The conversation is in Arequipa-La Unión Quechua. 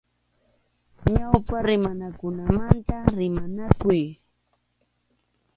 Ñawpa rimaykunamanta rimanakuy.